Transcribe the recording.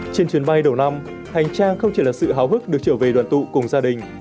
trên chuyến bay đầu năm hành trang không chỉ là sự hào hức được trở về đoàn tụ cùng gia đình